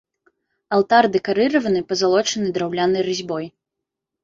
Алтар дэкарыраваны пазалочанай драўлянай разьбой.